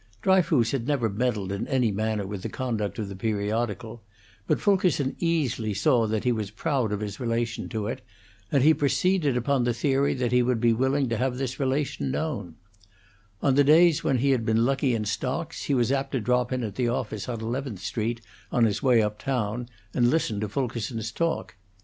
Dryfoos had never meddled in any manner with the conduct of the periodical; but Fulkerson easily saw that he was proud of his relation to it, and he proceeded upon the theory that he would be willing to have this relation known: On the days when he had been lucky in stocks, he was apt to drop in at the office on Eleventh Street, on his way up town, and listen to Fulkerson's talk.